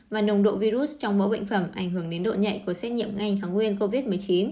và nồng độ virus trong mẫu bệnh phẩm ảnh hưởng đến độ nhạy của xét nghiệm nhanh kháng nguyên covid một mươi chín